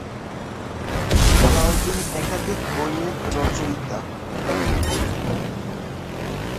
আলাউদ্দিন একাধিক বইয়ের রচয়িতা।